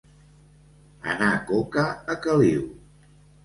Anar coca a caliu.